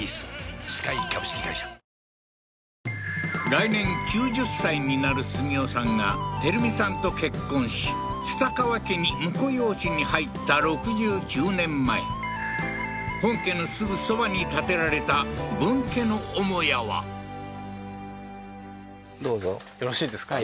来年９０歳になる澄夫さんが照美さんと結婚し蔦川家に婿養子に入った６９年前本家のすぐそばに建てられた分家の母屋はどうぞよろしいですか？